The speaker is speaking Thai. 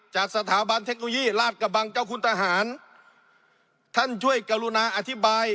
จากสถาบันเทคโนโลยีราชกระบังเจ้าคุณทหารท่านช่วยกรุณาอธิบาย